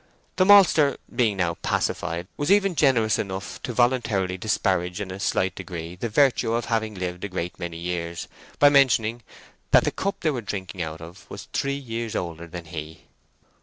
The maltster, being now pacified, was even generous enough to voluntarily disparage in a slight degree the virtue of having lived a great many years, by mentioning that the cup they were drinking out of was three years older than he.